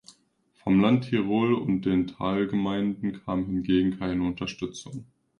Vom Land Tirol und den Talgemeinden kam hingegen keine Unterstützung.